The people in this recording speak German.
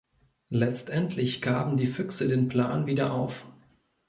Letztendlich gaben die Füchse den Plan wieder auf.